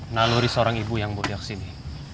naluri seorang ibu yang mau ke sini